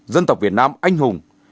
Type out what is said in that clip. dân tộc việt nam anh hùng